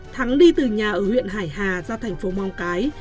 thắng đi từ nhà ở huyện hải hà ra thành phố móng cái